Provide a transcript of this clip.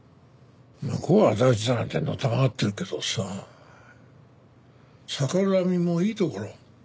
向こうは仇討ちだなんてのたまってるけどさ逆恨みもいいところ。